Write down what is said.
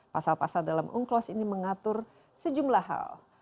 pasal pasal dalam unclos ini mengatur sejumlah hal